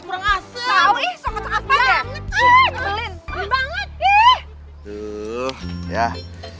berkerep lagu lagi mending mending cakep